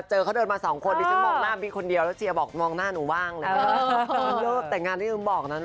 เชื่อกลัวพอเป็นเรื่องจริงแล้วคนไม่เชื่อ